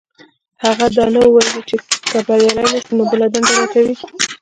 هغه دا نه وو ويلي چې که بريالی نه شو نو بله دنده لټوي.